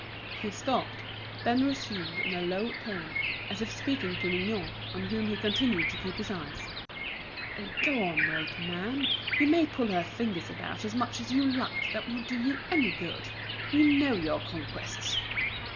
He stopped, then resumed in a low tone, as if speaking to Mignot, on whom he continued to keep his eyes: "Oh, go on, old man, you may pull her fingers about as much as you like, that won't do you any good! We know your conquests!"